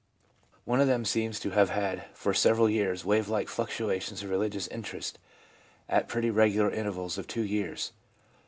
One of them seems to have had for several years wave like fluctuations of religious interest at pretty regular intervals of two years.